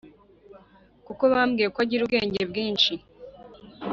kuko bambwiye ko agira ubwenge bwinshi.